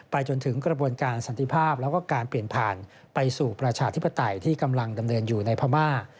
จนถึงกระบวนการสันติภาพแล้วก็การเปลี่ยนผ่านไปสู่ประชาธิปไตยที่กำลังดำเนินอยู่ในพม่า